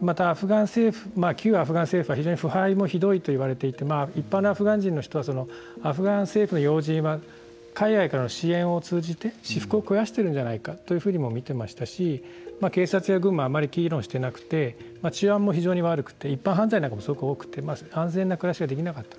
またアフガン政府旧アフガン政府は非常に腐敗もひどいと言われていて一般のアフガン人の人はアフガン政府の要人は海外からの支援を通じて私腹を肥やしてるんじゃないかというふうにも見てましたし警察や軍もあまり機能してなくて治安も非常に悪くて一般犯罪なんかもすごく多くて安全な暮らしができなかったんです。